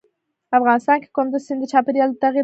افغانستان کې کندز سیند د چاپېریال د تغیر نښه ده.